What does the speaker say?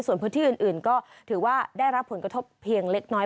ส่วนพื้นที่อื่นก็ถือว่าได้รับผลกระทบเพียงเล็กน้อย